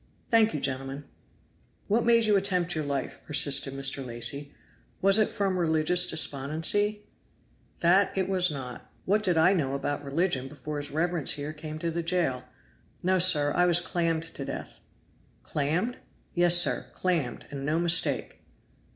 "Thank you, gentlemen." "What made you attempt your life?" persisted Mr. Lacy. "Was it from religious despondency?" "That it was not. What did I know about religion before his reverence here came to the jail? No, sir, I was clammed to death." "Clammed?" "Yes, sir, clammed and no mistake."